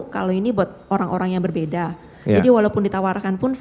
kalau ini buat orang orang yang berbeda jadi walaupun ditawarkan pun